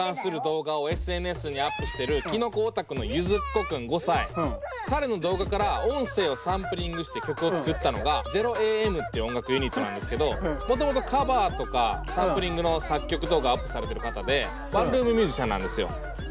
これ彼の動画から音声をサンプリングして曲を作ったのが「０ａｍ」っていう音楽ユニットなんですけどもともとカバーとかサンプリングの作曲動画アップされてる方でワンルームミュージシャンなんですよ。